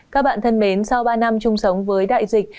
các bạn thân mến sau ba năm chung sống với đại dịch